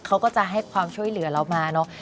เขาก็จะให้ความช่วยเหลือเรามาเนอะ